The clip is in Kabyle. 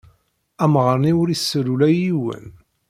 Amɣar-nni ur isell ula i yiwen.